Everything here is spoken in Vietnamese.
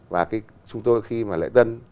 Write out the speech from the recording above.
và chúng tôi khi mà lễ tân